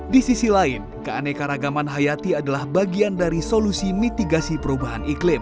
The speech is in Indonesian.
di sisi lain keanekaragaman hayati adalah bagian dari solusi mitigasi perubahan iklim